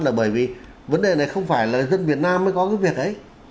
là bởi vì vấn đề này không phải là dân việt nam mới có cái việc ấy